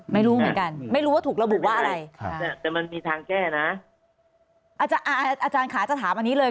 ไม่รู้เหมือนกันไม่รู้ว่าถูกระบุว่าอะไรแต่มันมีทางแก้นะอาจารย์ขาจะถามอันนี้เลย